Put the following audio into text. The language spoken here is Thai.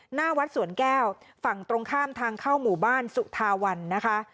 หน้าวัดสวนแก้วฝั่งตรงข้ามทางเข้าหมู่บ้านสุธาวันนะคะ